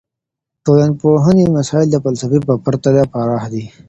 د ټولنپوهني مسایل د فلسفې په پرتله پراخ دي.